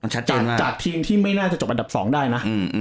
จากทีมที่ไม่น่าจะจบอันดับ๒ได้นะ